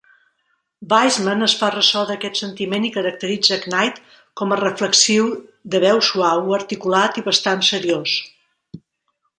Weisman es fa ressò d'aquest sentiment i caracteritza Knight com a "reflexiu, de veu suau, articulat i bastant seriós".